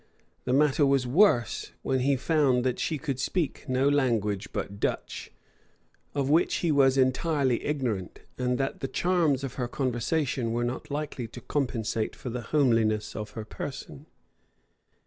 The matter was worse when he found that she could speak no language but Dutch, of which he was entirely ignorant; and that the charms of her conversation were not likely to compensate for the homeliness of her person.